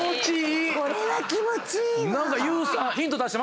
これは気持ちいいわ。